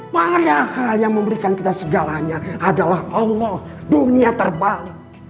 padahal yang memberikan kita segalanya adalah allah dunia terbang